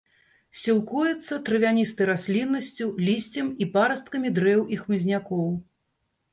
Сілкуецца травяністай расліннасцю, лісцем і парасткамі дрэў і хмызнякоў.